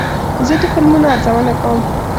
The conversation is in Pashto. زه د فلمونو ارزونه کوم.